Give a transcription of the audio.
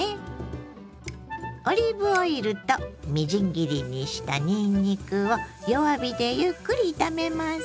オリーブオイルとみじん切りにしたにんにくを弱火でゆっくり炒めます。